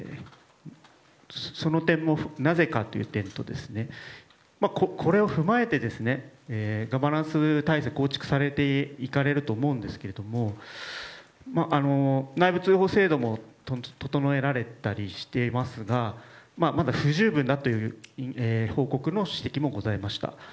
それはなぜかという点とこれを踏まえてガバナンス体制を構築されていくと思うんですが内部通報制度も整えられたりしていますがまだ不十分だという報告の指摘もございました。